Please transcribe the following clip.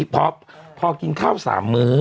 พอกินข้าว๓มื้อ